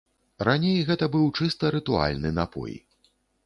Раней гэта быў чыста рытуальны напой.